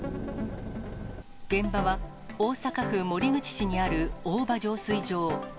現場は、大阪府守口市にある大庭浄水場。